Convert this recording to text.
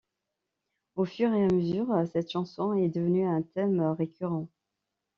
Au fur et à mesure cette chanson est devenue un thème récurrent.